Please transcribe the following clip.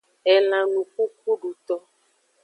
Elan enukukuduto.